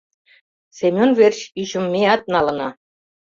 Семен верч ӱчым меат налына.